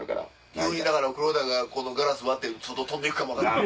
急に黒田がガラス割って外飛んで行くかも分からん。